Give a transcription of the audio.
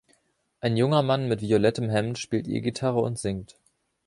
Ein junger Mann mit violettem Hemd spielt E-Gitarre und singt.